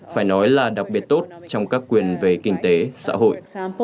phải nói là đặc biệt tốt trong các quyền về kinh tế xã hội